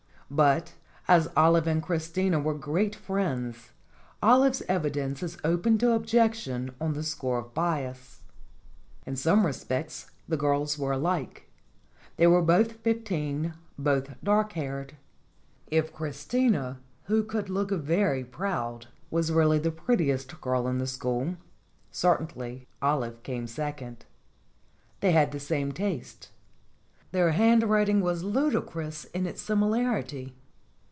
But as Olive and Christina were great friends, Olive's evidence is open to objection on the score of bias. In some respects the girls were alike; they were both fifteen, both dark haired. If Christina, who could look very proud, was really the prettiest girl in the school, certainly Olive came second. They had the same tastes; their handwriting was ludicrous in its similarity.